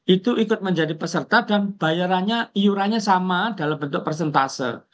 itu ikut menjadi peserta dan bayarannya iurannya sama dalam bentuk persentase